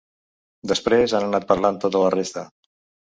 Després han anat parlant tota la resta.